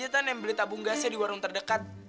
aku aja yang beli tabung gasnya di warung terdekat